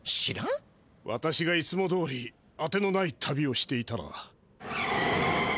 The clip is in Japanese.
わたしがいつもどおりあてのない旅をしていたら。